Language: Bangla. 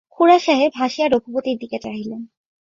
খুড়াসাহেব হাসিয়া রঘুপতির দিকে চাহিলেন।